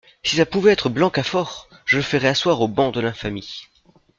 Si ça pouvait être Blancafort ! je le ferais asseoir au banc de l’infamie.